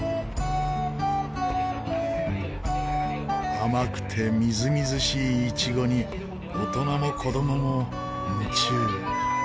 甘くてみずみずしいイチゴに大人も子供も夢中。